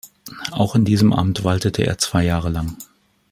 Auch in diesem Amt waltete er zwei Jahre lang.